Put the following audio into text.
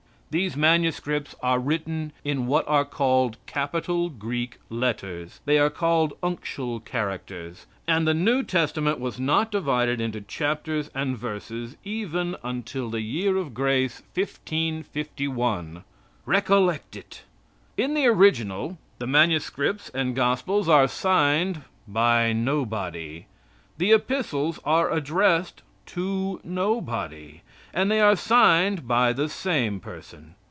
These manuscripts are written in what are called capital Greek letters. They are called Uncial characters; and the New Testament was not divided into chapters and verses, even, until the year of grace 1551. Recollect it. In the original the manuscripts and gospels are signed by nobody. The epistles are addressed to nobody; and they are signed by the same person.